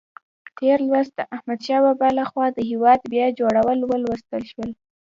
تېر لوست د احمدشاه بابا لخوا د هېواد بیا جوړول ولوستل شول.